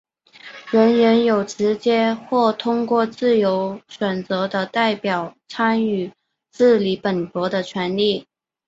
人人有直接或通过自由选择的代表参与治理本国的权利。